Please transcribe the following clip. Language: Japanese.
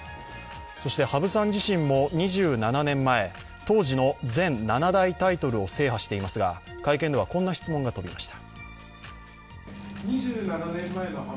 羽生さん自身も２７年前、当時全七大タイトルを制覇していますが会見では、こんな質問が飛びました。